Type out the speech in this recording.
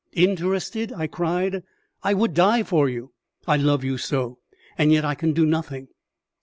"Interested?" I cried. "I would die for you, I love you so. And yet I can do nothing."